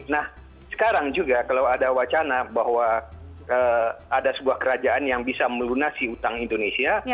nah sekarang juga kalau ada wacana bahwa ada sebuah kerajaan yang bisa melunasi utang indonesia